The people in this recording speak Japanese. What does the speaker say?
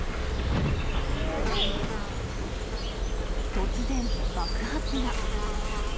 突然、爆発が。